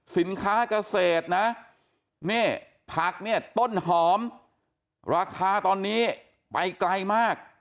สินค้าเกษตรนะนี่ผักเนี่ยต้นหอมราคาตอนนี้ไปไกลมาก